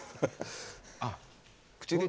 あっ口で。